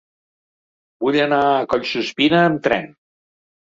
Vull anar a Collsuspina amb tren.